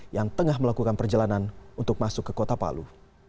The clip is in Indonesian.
yang tengah melakukan perjalanan untuk masuk ke kota palu